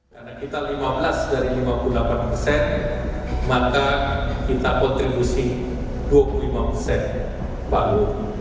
karena kita lima belas dari lima puluh delapan persen maka kita kontribusi dua puluh lima persen palu